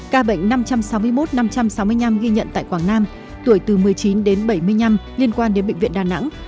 ca bệnh năm trăm sáu mươi một năm trăm sáu mươi năm ghi nhận tại quảng nam tuổi từ một mươi chín đến bảy mươi năm liên quan đến bệnh viện đà nẵng